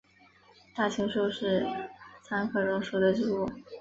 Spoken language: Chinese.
大青树是桑科榕属的植物。